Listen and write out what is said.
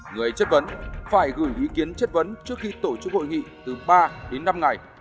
người chất vấn phải gửi ý kiến chất vấn trước khi tổ chức hội nghị từ ba đến năm ngày